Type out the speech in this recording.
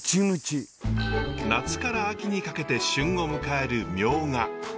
夏から秋にかけて旬を迎えるミョウガ。